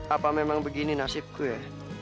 apa memang begini nasibku ya